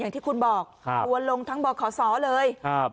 อย่างที่คุณบอกครับทัวร์ลงทั้งบ่อขอสอเลยครับ